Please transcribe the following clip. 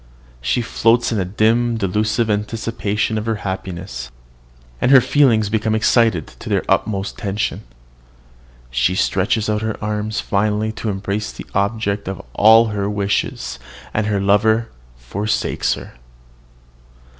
She floats in a dim, delusive anticipation of her happiness; and her feelings become excited to their utmost tension. She stretches out her arms finally to embrace the object of all her wishes and her lover forsakes her.